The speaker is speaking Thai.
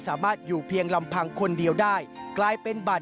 ด้านสาวผู้โพสต์ยืนยันเงินจำนวนนับ๑๐๐๐๐๐บาท